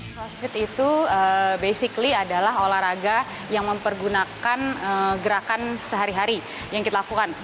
crossfit itu basically adalah olahraga yang mempergunakan gerakan sehari hari yang kita lakukan